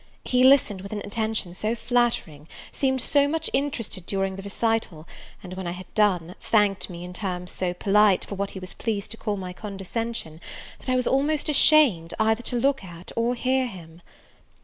He listened with an attention so flattering, seemed so much interested during the recital, and, when I had done, thanked me in terms so polite, for what he was pleased to call my condescension, that I was almost ashamed either to look at or hear him.